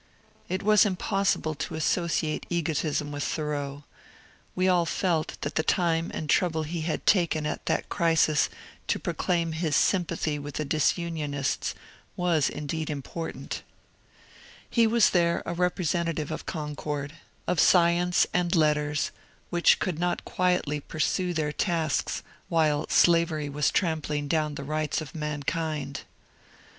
It was impossible to associate egotism with Thoreau ; we all felt that the time and trouble he had taken at that crisis to proclaim his sympathy with the ^' Disunionists " was indeed important He was there a representative of Concord, WILLIAM LLOYD GAREISON 186 of science and letters, which could not quietly pursue their tasks while slavery was trampling down the rights of man kind.